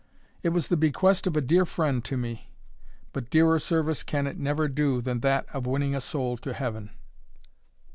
It was the bequest of a dear friend to me; but dearer service can it never do than that of winning a soul to Heaven."